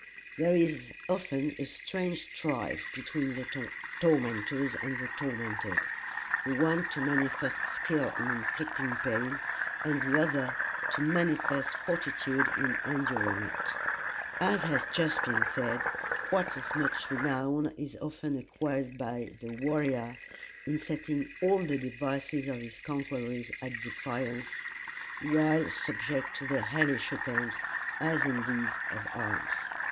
There is often a strange strife between the tormentors and the tormented; the one to manifest skill in inflicting pain, and the other to manifest fortitude in enduring it. As has just been said, quite as much renown is often acquired by the warrior, in setting all the devices of his conquerors at defiance, while subject to their hellish attempts, as in deeds of arms.